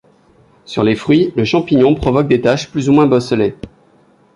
Sur les fruits, le champignon provoque des taches plus ou moins bosselées.